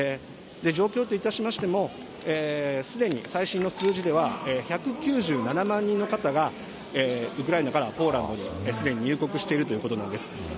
状況といたしましても、すでに最新の数字では、１９７万人の方が、ウクライナからポーランドにすでに入国しているということなんです。